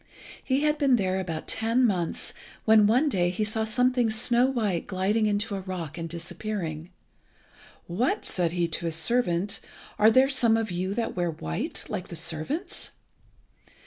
He had been there about ten months when one day he saw something snow white gliding into a rock and disappearing. "What!" said he to his servant, "are there some of you that wear white like the servants?"